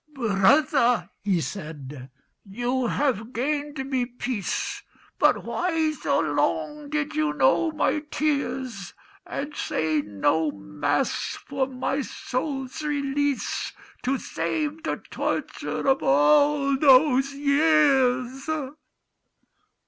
"Brother," he said, "you have gained me peace, But why so long did you know my tears, And say no Mass for my soul's release, To save the torture of all those years?"